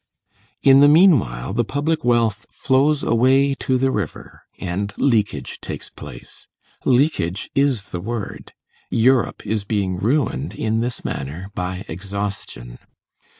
In the meanwhile, the public wealth flows away to the river, and leakage takes place. Leakage is the word. Europe is being ruined in this manner by exhaustion.